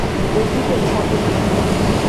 বন্ধুদের কবর দিতে।